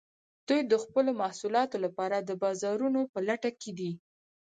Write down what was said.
دوی د خپلو محصولاتو لپاره د بازارونو په لټه کې دي